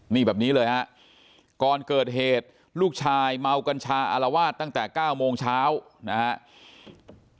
นี่แบบนี้เลยฮะก่อนเกิดเหตุลูกชายเมากัญชาอารวาสตั้งแต่๙โมงเช้านะครับ